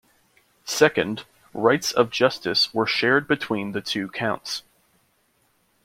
Second, rights of justice were shared between the two counts.